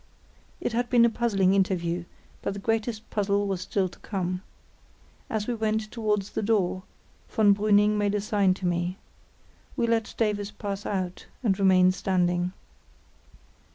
It had been a puzzling interview, but the greatest puzzle was still to come. As we went towards the door, von Brüning made a sign to me. We let Davies pass out and remained standing.